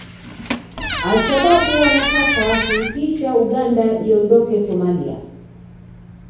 Al Shabab wanataka kuitisha Uganda iondoke Somalia